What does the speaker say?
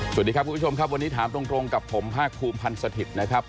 สวัสดีครับคุณผู้ชมครับวันนี้ถามตรงกับผมภาคภูมิพันธ์สถิตย์นะครับ